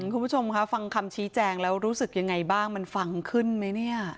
คุณผู้ชมคะฟังคำชี้แจงแล้วรู้สึกยังไงบ้างมันฟังขึ้นไหมเนี่ย